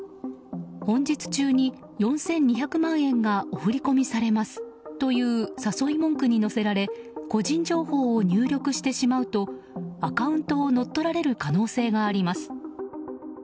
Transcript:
本日中に４２００万円がお振り込みされますという誘い文句に乗せられ個人情報を入力してしまうとアカウントを乗っ取られる可能性があります。